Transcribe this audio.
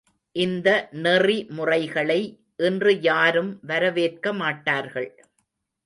இந்த நெறிமுறைகளை இன்று யாரும் வரவேற்க மாட்டார்கள்.